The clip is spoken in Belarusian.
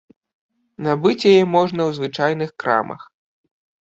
Набыць яе можна ў звычайных крамах.